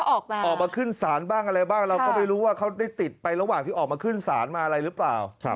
ออกมาออกมาขึ้นศาลบ้างอะไรบ้างเราก็ไม่รู้ว่าเขาได้ติดไประหว่างที่ออกมาขึ้นศาลมาอะไรหรือเปล่า